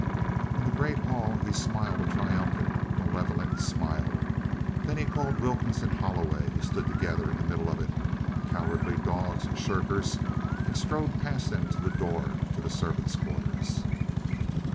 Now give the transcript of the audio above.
In the great hall he smiled a triumphant, malevolent smile. Then he called Wilkins and Holloway, who stood together in the middle of it, cowardly dogs and shirkers, and strode past them to the door to the servants' quarters.